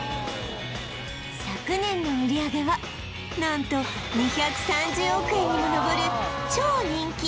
昨年の売上は何と２３０億円にものぼる超人気